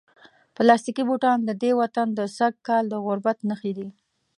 پلاستیکي بوټان د دې وطن د سږکال د غربت نښې دي.